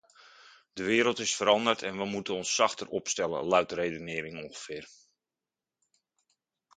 De wereld is veranderd en we moeten ons zachter opstellen, luidt de redenering ongeveer.